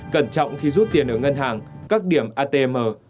cẩn trọng khi rút tiền ở ngân hàng các điểm atm